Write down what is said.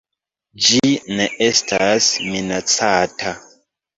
Ĝi ne estas minacata.